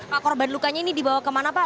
pak korban lukanya ini dibawa kemana pak